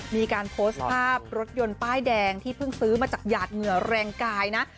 มีการโพสต์ภาพรถยนต์ป้ายแดงที่เพิ่งซื้อมาจากหยาดเหงื่อแรงกายนะ